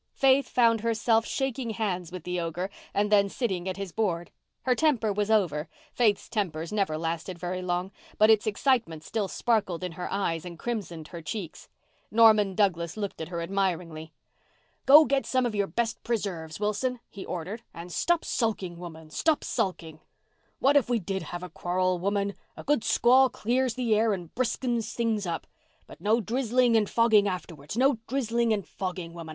Faith found herself shaking hands with the ogre and then sitting at his board. Her temper was over—Faith's tempers never lasted very long—but its excitement still sparkled in her eyes and crimsoned her cheeks. Norman Douglas looked at her admiringly. "Go, get some of your best preserves, Wilson," he ordered, "and stop sulking, woman, stop sulking. What if we did have a quarrel, woman? A good squall clears the air and briskens things up. But no drizzling and fogging afterwards—no drizzling and fogging, woman.